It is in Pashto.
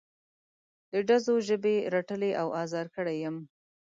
د ډزو ژبې رټلی او ازار کړی یم.